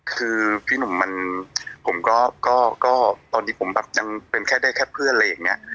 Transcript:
คือพี่หนุ่มตอนนี้ผมยังเป็นแค่ได้เพื่อน